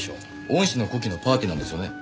恩師の古希のパーティーなんですよね？